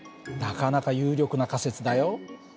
なかなか有力な仮説だよ。